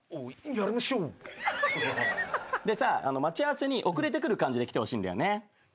待ち合わせに遅れてくる感じで来てほしいんだよね。